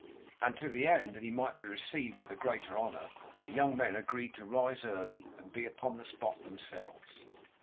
And to the end that he might be received with the greater honour, the young men agreed to rise early, and be upon the spot themselves.